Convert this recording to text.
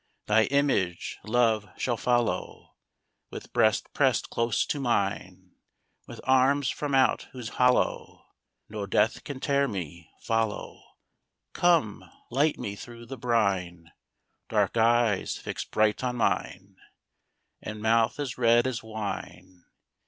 IV Thy image, love, shall follow With breast pressed close to mine: With arms from out whose hollow No death can tear me. Follow, Come, light me through the brine, Dark eyes, fixed bright on mine, And mouth as red as wine!